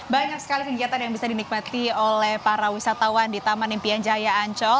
banyak sekali kegiatan yang bisa dinikmati oleh para wisatawan di taman impian jaya ancol